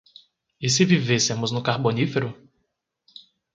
E se vivêssemos no carbonífero?